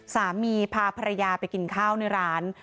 สามีพาภรรยาไปกินข้าวในร้าน